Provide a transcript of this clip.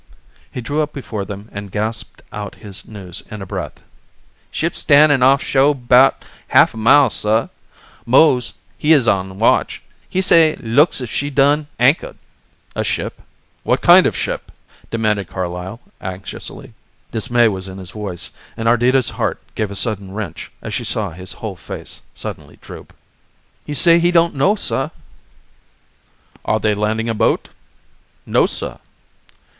He drew up before them and gasped out his news in a breath. "Ship stan'in' off sho' 'bout half a mile suh. Mose, he uz on watch, he say look's if she's done ancho'd." "A ship what kind of a ship?" demanded Carlyle anxiously. Dismay was in his voice, and Ardita's heart gave a sudden wrench as she saw his whole face suddenly droop. "He say he don't know, suh." "Are they landing a boat?" "No, suh."